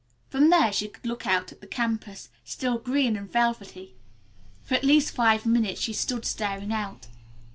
From there she could look out at the campus, still green and velvety. For at least five minutes she stood staring out.